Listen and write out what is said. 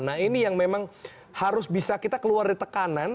nah ini yang memang harus bisa kita keluar dari tekanan